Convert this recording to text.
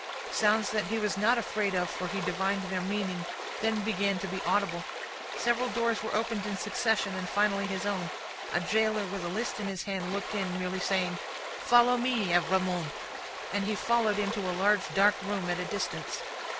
Sounds that he was not afraid of, for he divined their meaning, then began to be audible. Several doors were opened in succession, and finally his own. A gaoler, with a list in his hand, looked in, merely saying, "Follow me, Evrémonde!" and he followed into a large dark room, at a distance.